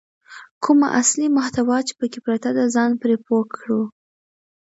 کومه اصلي محتوا چې پکې پرته ده ځان پرې پوه کړو.